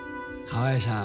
河合さん。